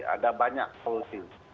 ada banyak solusi